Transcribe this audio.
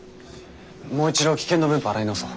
もう一度危険度分布を洗い直そう。